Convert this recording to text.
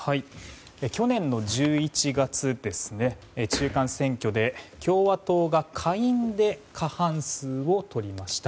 去年の１１月中間選挙で共和党が下院で過半数を取りました。